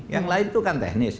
yang lain itu kan teknis